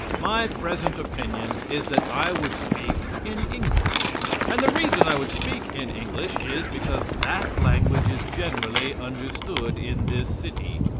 My present opinion is that I would speak in English; and the reason I would speak in English is, because that language is generally understood in this city.